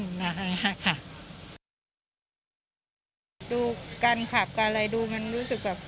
ดูการขับการอะไรดูมันรู้สึกแบบ